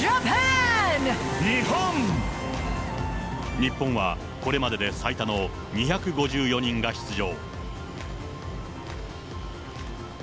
日本は、これまでで最多の２５４人が出場。